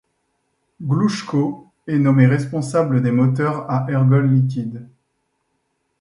Glouchko est nommé responsable des moteurs à ergols liquides.